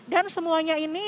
dan semuanya ini